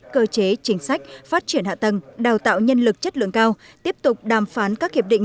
cơ chế chính sách phát triển hạ tầng đào tạo nhân lực chất lượng cao tiếp tục đàm phán các hiệp định